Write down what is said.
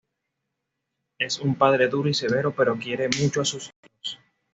Es un padre duro y severo pero quiere mucho a sus hijos.